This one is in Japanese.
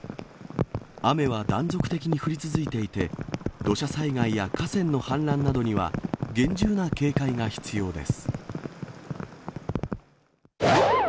雨は断続的に降り続いていて、土砂災害や河川の氾濫などには厳重な警戒が必要です。